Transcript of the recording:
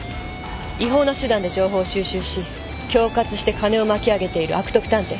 違法な手段で情報を収集し恐喝して金を巻き上げている悪徳探偵。